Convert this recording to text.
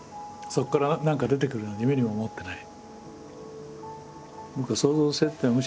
そこから何か出てくるなんて夢にも思ってない。